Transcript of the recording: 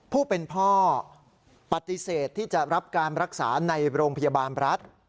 ผู้เป็นพ่อปฏิเสธที่จะรับการรักษาในโรงพยาบาลรัฐ